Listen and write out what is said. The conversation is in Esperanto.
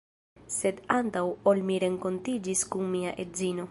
Sed antaŭ ol mi renkontiĝis kun mia edzino